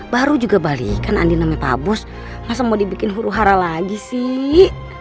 baru juga balikan andina mepa bos masa mau dibikin huru hara lagi sih